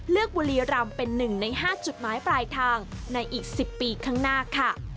เลือกบุรีรัมเป็นหนึ่งในห้าจุดหมายปลายทางในอีกสิบปีข้างหน้าค่ะ